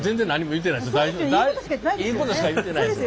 いいことしか言ってないです。